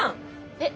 えっ？